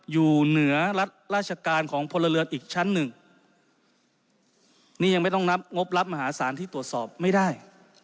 อยู่เหนือรัฐราชการของพลเรือนอีกชั้นหนึ่งนี่ยังไม่ต้องนับงบรับมหาศาลที่ตรวจสอบไม่ได้